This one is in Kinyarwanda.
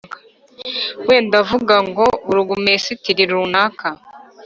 wenda vuga ngo Burugumesitiri runaka